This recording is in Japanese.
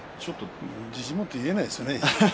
自信を持って言えないですよね。